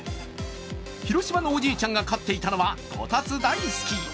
広島のおじいちゃんが飼っていたのはこたつ大好き！